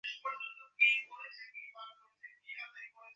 টাকা তো গেছেই, এখন শান্তিও থাকবে না।